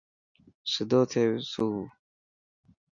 سڌو ٿي سو.